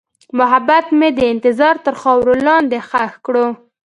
محبت مې د انتظار تر خاورې لاندې ښخ شو.